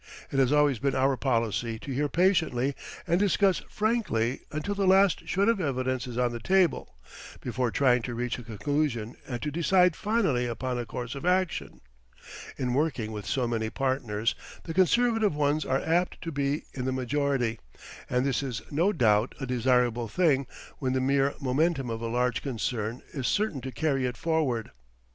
It has always been our policy to hear patiently and discuss frankly until the last shred of evidence is on the table, before trying to reach a conclusion and to decide finally upon a course of action. In working with so many partners, the conservative ones are apt to be in the majority, and this is no doubt a desirable thing when the mere momentum of a large concern is certain to carry it forward.